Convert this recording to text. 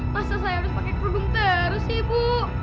masa saya harus pakai kerudung terus ibu